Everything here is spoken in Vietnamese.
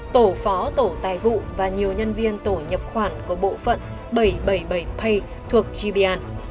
tổ phó tổ tài vụ và nhiều nhân viên tổ nhập khoản của bộ phận bảy trăm bảy mươi bảy pay thuộc gbn